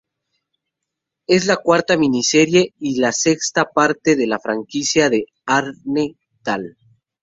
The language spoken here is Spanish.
Es la cuarta miniserie y la sexta parte de la franquicia de Arne Dahl.